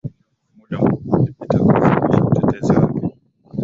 muda mfupi ulipita kuwasilisha utetezi wake